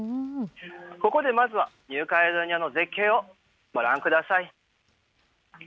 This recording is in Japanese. ここでまずは、ニューカレドニアの絶景をご覧ください。